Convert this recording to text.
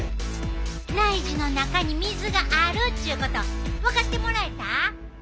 内耳の中に水があるっちゅうこと分かってもらえた？